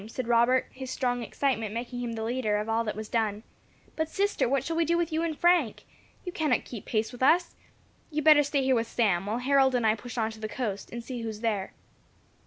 said Robert, his strong excitement making him the leader of all that was done. "But, sister, what shall we do with you and Frank? You cannot keep pace with us. You had better stay here with Sam, while Harold and I push on to the coast, and see who is there."